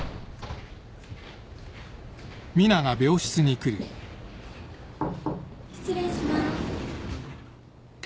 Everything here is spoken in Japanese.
失礼します。